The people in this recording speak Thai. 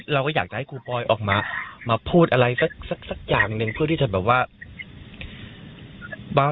เราก็อยากจะให้ครูปอยออกมาพูดอะไรสักอย่างหนึ่งเพื่อที่จะแบบว่า